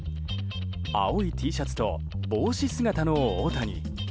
青いＴシャツと帽子姿の大谷。